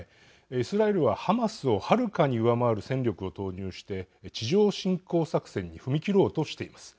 イスラエルはハマスをはるかに上回る戦力を投入して地上侵攻作戦に踏み切ろうとしています。